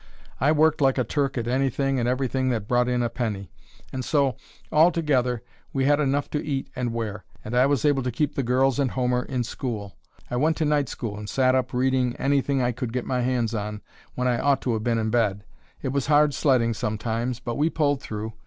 I worked like a Turk at anything and everything that brought in a penny; and so, all together, we had enough to eat and wear, and I was able to keep the girls and Homer in school. I went to night school and sat up reading anything I could get my hands on when I ought to have been in bed. It was hard sledding sometimes, but we pulled through.